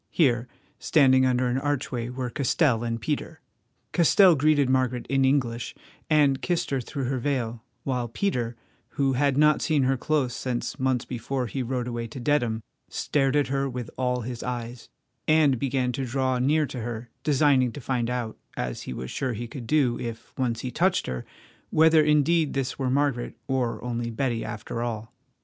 Here, standing under an archway, were Castell and Peter. Castell greeted Margaret in English and kissed her through her veil, while Peter, who had not seen her close since months before he rode away to Dedham, stared at her with all his eyes, and began to draw near to her, designing to find out, as he was sure he could do if once he touched her, whether indeed this were Margaret, or only Betty after all.